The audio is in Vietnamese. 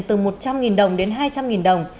từ một trăm linh đồng đến hai trăm linh đồng